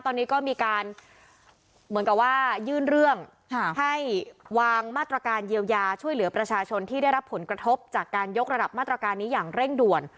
ตอนนี้ก็มีการเหมือนกับว่ายื่นเรื่องให้วางมาตรการเยียวยาช่วยเหลือประชาชนที่ได้รับผลกระทบจากการยกระดับมาตรการนี้อย่างเร่งด่วน